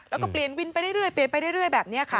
แล้วก็เปลี่ยนวินไปเรื่อยเปลี่ยนไปเรื่อยแบบนี้ค่ะ